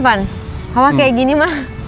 kau kayak gini mah